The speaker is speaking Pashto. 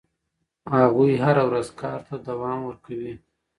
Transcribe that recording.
هغوی هره ورځ کار ته دوام ورکوي.